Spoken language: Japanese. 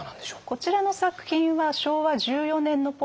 こちらの作品は昭和１４年のポスターです。